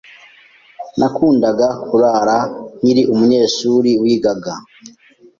Nakundaga kurara nkiri umunyeshuri wigaga.